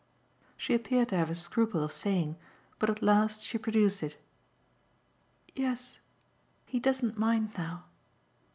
She appeared to have a scruple of saying, but at last she produced it. "Yes he doesn't mind now."